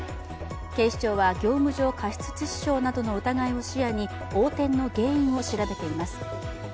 警視庁は業務上過失致死傷などの疑いを視野に横転の原因を調べています。